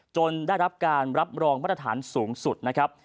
ได้รับการรับรองมาตรฐานสูงสุดนะครับ